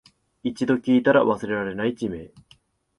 一度聞いたら忘れられない地名